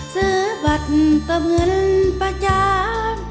ซื้อบัตรเติมเงินประจำ